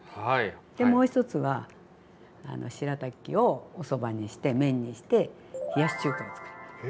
でもう一つはしらたきをおそばにして麺にして冷やし中華をつくります。